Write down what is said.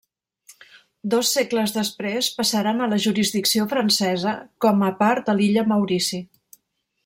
Dos segles després passaren a la jurisdicció francesa, com a part de l'illa Maurici.